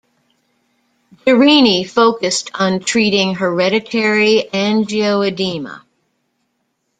Jerini focused on treating hereditary angioedema.